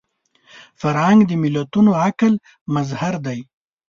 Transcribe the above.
فرهنګ د ملتونو عقل مظهر دی